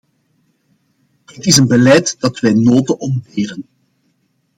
Het is een beleid dat wij node ontberen.